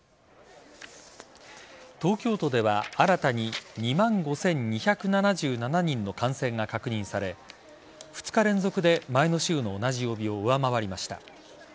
東京都では新たに２万５２７７人の感染が確認され２日連続で前の週の同じ曜日を上回りました。